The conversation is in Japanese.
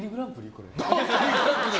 これ。